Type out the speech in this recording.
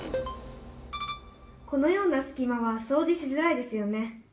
「このようなすき間はそうじしづらいですよね。